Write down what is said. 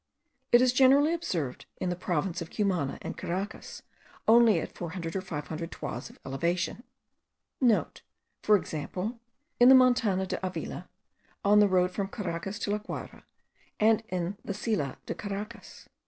It is generally observed in the province of Cumana and Caracas only at 400 or 500 toises of elevation.* (* For example, in the Montana de Avila, on the road from Caracas to La Guayra, and in the Silla de Caracas.